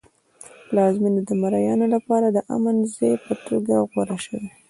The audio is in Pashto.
پلازمېنه د مریانو لپاره د امن ځای په توګه غوره شوی و.